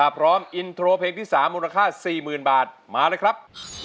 พร้อมอินโทรเพลงที่๓มูลค่า๔๐๐๐บาทมาเลยครับ